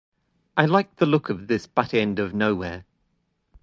I liked the look of this butt-end of nowhere.